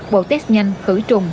bộ test nhanh khử trùng